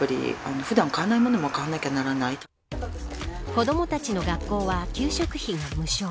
子どもたちの学校は給食費が無償。